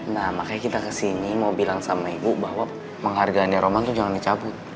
nah makanya kita kesini mau bilang sama ibu bahwa menghargai roman tuh jangan dicabut